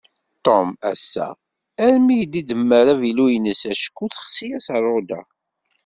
Tom assa armi d-idemmer avilu-ines, acku texsi-yas rruḍa.